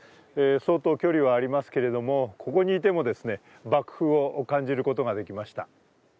相当距離はありますけれども、ここにいても爆風を感じることができました。